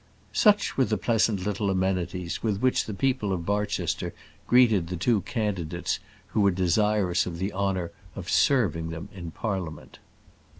Such were the pleasant little amenities with which the people of Barchester greeted the two candidates who were desirous of the honour of serving them in Parliament.